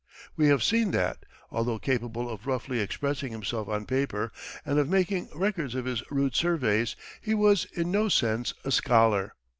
We have seen that, although capable of roughly expressing himself on paper, and of making records of his rude surveys, he was in no sense a scholar.